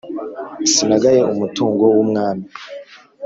sinagaye umutungo w’umwami!